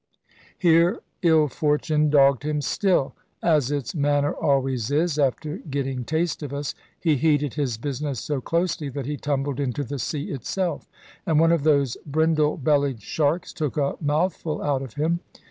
Here ill fortune dogged him still, as its manner always is, after getting taste of us. He heeded his business so closely that he tumbled into the sea itself; and one of those brindle bellied sharks took a mouthful out of him.